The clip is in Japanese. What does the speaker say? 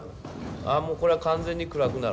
あもうこれは完全に暗くなるね。